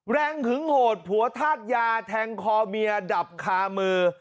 หึงโหดผัวธาตุยาแทงคอเมียดับคามือ